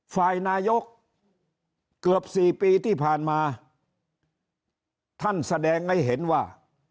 ฝ่ายนายกเกือบสี่ปีที่ผ่านมาท่านแสดงให้เห็นว่า